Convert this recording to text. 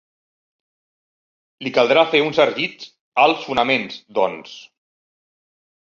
Li caldrà fer un sargit als fonaments, doncs.